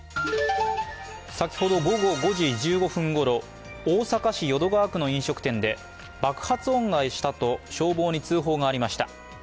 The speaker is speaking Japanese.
先ほど午後５時１５分ごろ、大阪市淀川区の飲食店で爆発音がしたと消防に通報がありました。